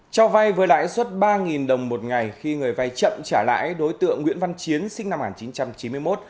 cho vay với lãi suất ba đồng một ngày khi người vay chậm trả lãi đối tượng nguyễn văn chiến sinh năm một nghìn chín trăm chín mươi một